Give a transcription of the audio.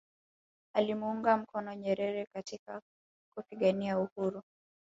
alimuunga mkono Nyerere katika kupigania uhuru